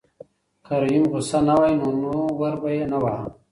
که رحیم غوسه نه وای نو ور به یې نه واهه.